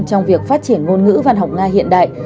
trong việc phát triển ngôn ngữ văn học nga hiện đại